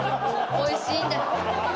おいしいんだ？